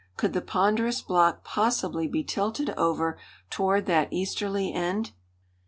Could the ponderous block possibly be tilted over toward that easterly end?